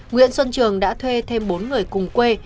nguyễn xuân trường đã thuê thêm bốn người cùng quê